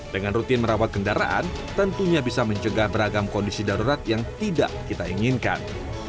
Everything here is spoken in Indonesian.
dengan rutin merawat kendaraan tentunya bisa mencegah beragam kondisi darurat yang tidak kita inginkan